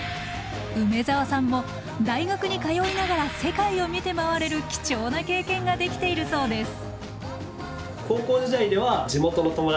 梅澤さんも大学に通いながら世界を見て回れる貴重な経験ができているそうです。